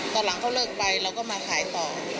ตอนหลังเขาเลิกไปเราก็มาขายต่อ